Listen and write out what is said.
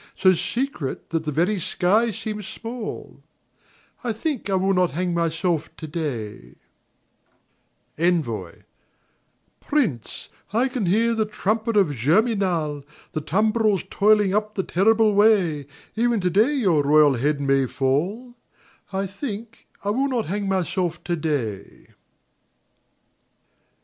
So secret that the very sky seems small — I think I will not hang myself to day. 224 Finnigin to Flannigan 226 ENVOI Fiincey I can hear the trump of Oerminal, The tumbrila toiling up the terrible way; Even to day your royal head may fall — I think I will not hang myself to day.